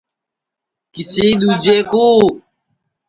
کسی ۮوجے کُﯡ